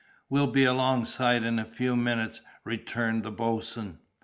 "We'll be alongside in a few minutes," returned the boatswain.